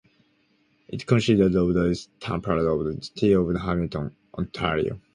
It consisted of the eastern part of the city of Hamilton, Ontario.